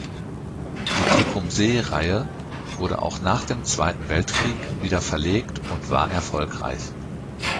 Die Tecumseh-Reihe wurde auch nach dem Zweiten Weltkrieg wieder verlegt und war erfolgreich.